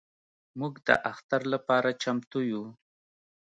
موږ د اختر لپاره چمتو یو.